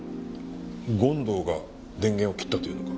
権藤が電源を切ったというのか？